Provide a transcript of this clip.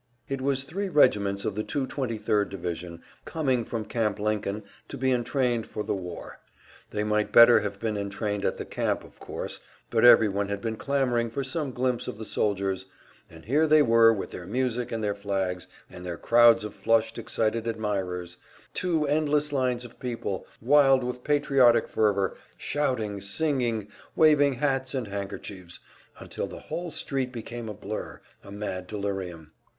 It was three regiments of the 223rd Division, coming from Camp Lincoln to be entrained for the war. They might better have been entrained at the camp, of course, but everyone had been clamoring for some glimpse of the soldiers, and here they were with their music and their flags, and their crowds of flushed, excited admirers two endless lines of people, wild with patriotic fervor, shouting, singing, waving hats and handkerchiefs, until the whole street became a blur, a mad delirium.